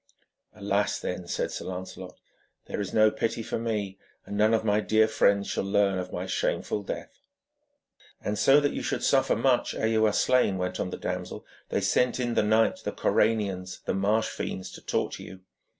'Alas, then,' said Sir Lancelot, 'there is no pity for me, and none of my dear friends shall learn of my shameful death.' 'And so that you should suffer much ere you are slain,' went on the damsel, 'they sent in the night the Coranians, the marsh fiends, to torture you.